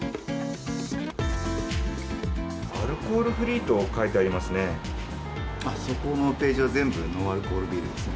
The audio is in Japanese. アルコールフリーと書いてありますね。